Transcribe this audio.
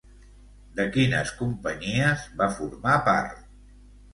De quines companyies va formar part?